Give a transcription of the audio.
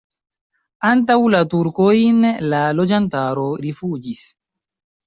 Antaŭ la turkojn la loĝantaro rifuĝis.